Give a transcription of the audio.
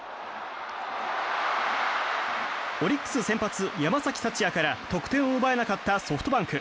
オリックス先発、山崎福也から得点を奪えなかったソフトバンク。